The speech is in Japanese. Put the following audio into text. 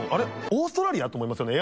オーストラリア？」と思いますよね。